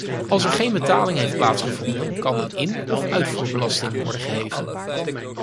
Als er geen betaling heeft plaatsgevonden, kan een in- of uitvoerbelasting worden geheven.